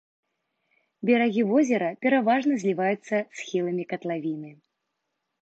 Берагі возера пераважна зліваюцца з схіламі катлавіны.